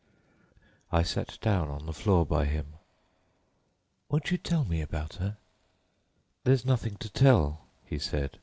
I sat down on the floor by him. "Won't you tell me about her?" "There's nothing to tell," he said.